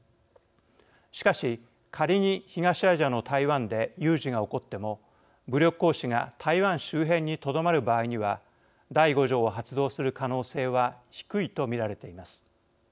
しかし、仮に東アジアの台湾で有事が起こっても武力行使が台湾周辺にとどまる場合には第５条を発動する可能性は低いと見られています。